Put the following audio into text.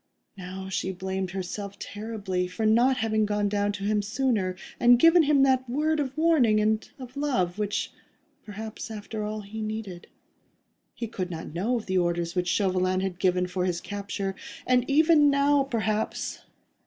Now she blamed herself terribly for not having gone down to him sooner, and given him that word of warning and of love which, perhaps, after all, he needed. He could not know of the orders which Chauvelin had given for his capture, and even now, perhaps